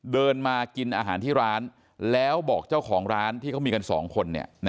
เดินมากินอาหารที่ร้านแล้วบอกเจ้าของร้านที่เขามีกัน๒คน